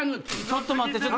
ちょっと待って！